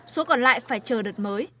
số còn lại phải chờ đợt mới